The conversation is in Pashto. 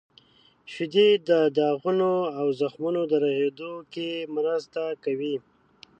• شیدې د داغونو او زخمونو د رغیدو کې مرسته کوي.